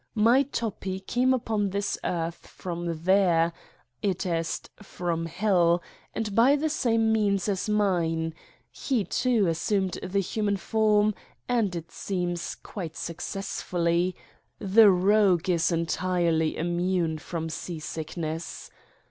My Toppi came upon this earth from there, i.e. from Hell and by the same means as mine : he, too, assumed the human form and, it seems, quite suc cessfully the rogue is entirely immune from sea sickness.